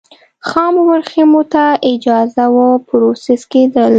خامو ورېښمو ته اجازه وه پروسس کېدل.